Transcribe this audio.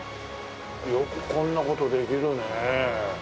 よくこんな事できるね。